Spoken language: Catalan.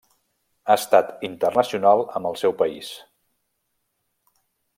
Ha estat internacional amb el seu país.